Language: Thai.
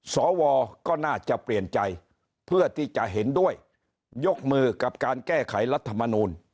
สวก็น่าจะเปลี่ยนใจเพื่อที่จะเห็นด้วยยกมือกับการแก้ไขรัฐมนูล